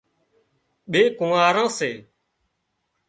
ٻي ڪونئاران سي